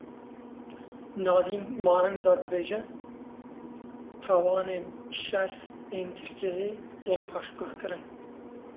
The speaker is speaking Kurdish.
Nadîn Maenza dibêje; tawanên şer ên Tirkiyeyê tên paşguhkirin.